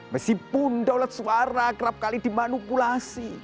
mesi pun daulat suara kerap kali dimanipulasi